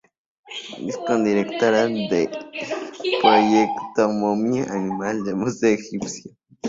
Es codirectora del Proyecto Momia animal del Museo Egipcio.